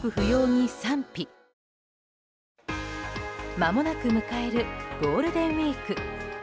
まもなく迎えるゴールデンウィーク。